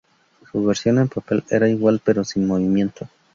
Su versión en papel era igual pero sin movimiento.